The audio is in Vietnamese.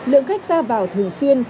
lượng khách ra vào thường xuyên